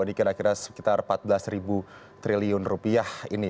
ini kira kira sekitar empat belas triliun rupiah ini